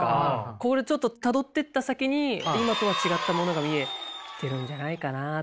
これちょっとたどってった先に今とは違ったものが見えてるんじゃないかなっていう気がしますね。